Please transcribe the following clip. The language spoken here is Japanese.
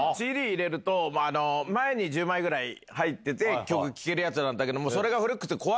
ＣＤ入れると１０枚ぐらい入ってて聴けるやつなんだけど。